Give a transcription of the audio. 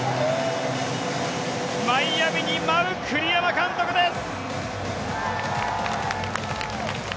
マイアミに舞う、栗山監督です！